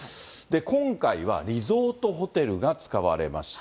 今回は、リゾートホテルが使われました。